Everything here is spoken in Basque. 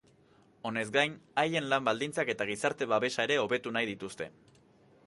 Honez gain, haien lan baldintzak eta gizarte babesa ere hobetu nahi dituzte.